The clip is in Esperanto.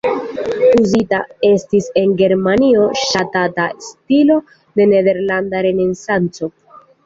Uzita estis en Germanio ŝatata stilo de nederlanda renesanco.